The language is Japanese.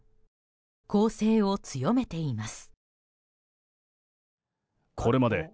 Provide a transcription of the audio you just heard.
攻勢を強めています。